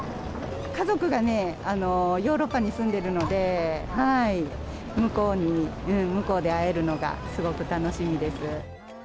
家族がヨーロッパに住んでるので、向こうで会えるのがすごく楽しみです。